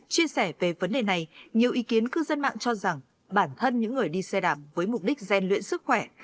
chia sẻ về vấn đề này nhiều ý kiến cư dân mạng cho rằng bản thân những người đi xe đạp với mục đích gian luyện sức khỏe